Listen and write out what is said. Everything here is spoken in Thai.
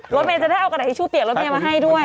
รถเมย์จะได้เอากระดาษทิชชู่เปียกรถเมย์มาให้ด้วย